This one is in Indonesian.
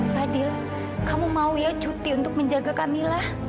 fadil kamu mau ya cuti untuk menjaga kamila